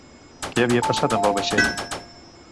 Què havia passat amb el vaixell?